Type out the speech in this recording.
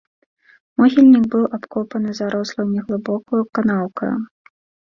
Могільнік быў абкопаны зарослаю, неглыбокаю канаўкаю.